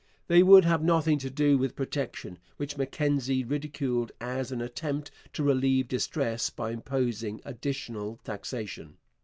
They would have nothing to do with protection, which Mackenzie ridiculed as an attempt to relieve distress by imposing additional taxation.